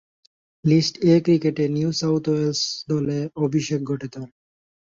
List A ক্রিকেটে New South Wales দলে অভিষেক ঘটে তার।